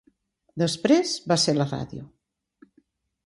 Després va ser la ràdio.